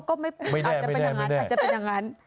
ก็ไม่แน่อาจจะเป็นอย่างนั้น